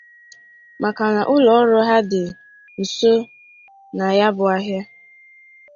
maka na ụlọọrụ ha dị nso na ya bụ ahịa.